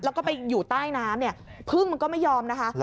แล้วก็ไปอยู่ใต้น้ำเนี่ยพึ่งมันก็ไม่ยอมนะคะ